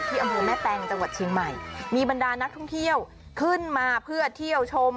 อำเภอแม่แตงจังหวัดเชียงใหม่มีบรรดานักท่องเที่ยวขึ้นมาเพื่อเที่ยวชม